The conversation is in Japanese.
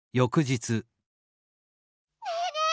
ねえねえ